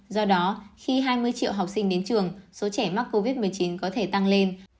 do đó khi hai mươi triệu học sinh đến trường số trẻ mắc covid một mươi chín có thể tăng lên